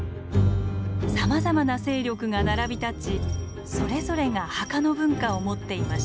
さまざまな勢力が並び立ちそれぞれが墓の文化を持っていました。